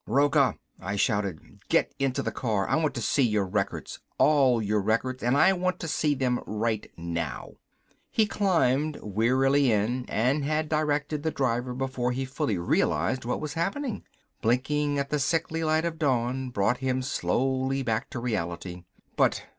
"Rocca!" I shouted. "Get into the car. I want to see your records all of your records and I want to see them right now." He climbed wearily in and had directed the driver before he fully realized what was happening. Blinking at the sickly light of dawn brought him slowly back to reality. "But